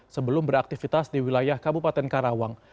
sebelum beraktivitas di wilayah kabupaten karawang